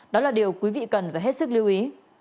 đó là điều quý vị cần phải hết sức lưu ý